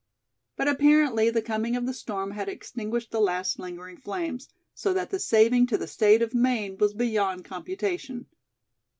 But apparently the coming of the storm had extinguished the last lingering flames, so that the saving to the state of Maine was beyond computation.